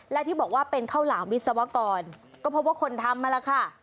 และที่บอกว่าเป็นข้าวหลามวิศวกรก็เพราะว่าคนทำมาแล้วค่ะ